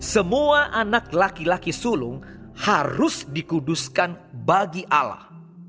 semua anak laki laki sulung harus dikuduskan bagi alah